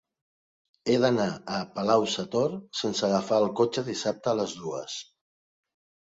He d'anar a Palau-sator sense agafar el cotxe dissabte a les dues.